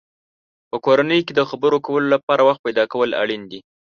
په کورنۍ کې د خبرو کولو لپاره وخت پیدا کول اړین دی.